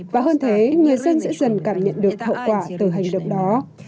và hơn thế người dân sẽ dần cảm nhận được hậu quả từ hành động đó